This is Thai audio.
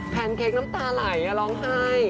แนนเค้กน้ำตาไหลร้องไห้